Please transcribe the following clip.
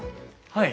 はい。